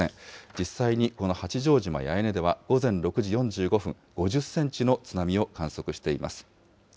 実際にこの八丈島八重根では午前６時４５分、５０センチの津波を観測しています。